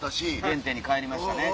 原点に帰りましたね。